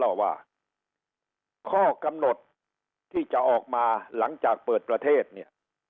ว่าข้อกำหนดที่จะออกมาหลังจากเปิดประเทศเนี่ย